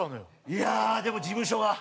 いやあでも事務所が。